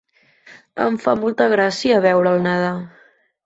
Em fa molta gràcia veure'l nedar.